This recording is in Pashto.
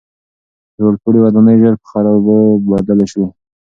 لوړپوړي ودانۍ ژر په خرابو بدلې سوې.